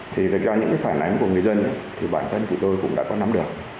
thì thực ra những phản ánh của người dân thì bản thân chị tôi cũng đã có nắm được